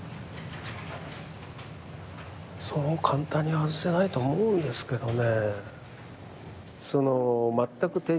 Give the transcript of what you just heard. そう簡単に外せないと思うんですけどね。